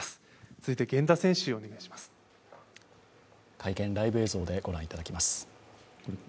会見、ライブ映像でご覧いただきます。